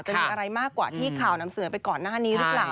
จะมีอะไรมากกว่าที่ข่าวนำเสนอไปก่อนหน้านี้หรือเปล่า